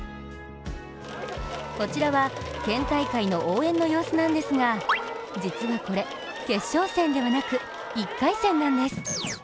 こちらは県大会の応援の様子なんですが実はこれ、決勝戦ではなく１回戦なんです。